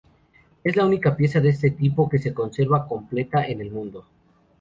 Es la única pieza de este tipo que se conserva completa en el mundo.